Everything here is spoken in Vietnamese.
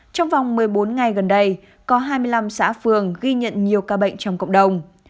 trong vòng một mươi bốn ngày gần đây có hai mươi năm xã phường ghi nhận nhiều ca bệnh trong cộng đồng